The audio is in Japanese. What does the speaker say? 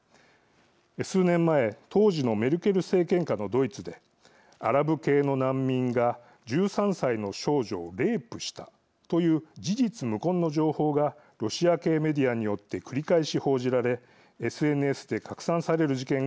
数年前当時のメルケル政権下のドイツでアラブ系の難民が１３歳の少女をレイプしたという事実無根の情報がロシア系メディアによって繰り返し報じられＳＮＳで拡散される事件がありました。